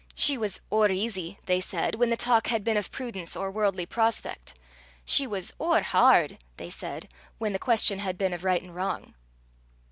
She was "ower easy," they said, when the talk had been of prudence or worldly prospect; she was "ower hard," they said, when the question had been of right and wrong.